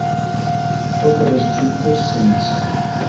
Totes les juntes se n'ixen.